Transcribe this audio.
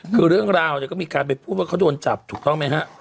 คือเรื่องราวเนี่ยก็มีการไปพูดว่าเขาโดนจับถูกต้องไหมฮะ